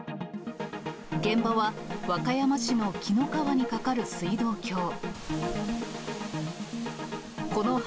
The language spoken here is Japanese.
現場は、和歌山市の紀の川に架かる水道橋。